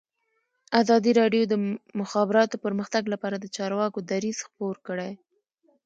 ازادي راډیو د د مخابراتو پرمختګ لپاره د چارواکو دریځ خپور کړی.